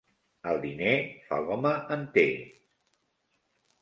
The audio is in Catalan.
El diner fa l'home enter